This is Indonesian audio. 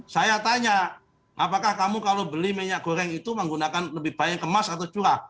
saya tanya apakah kamu kalau beli minyak goreng itu menggunakan lebih banyak kemas atau curah